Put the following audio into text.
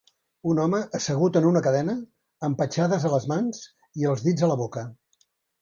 Un home assegut en una cadena amb petjades a les mans i els dits a la boca.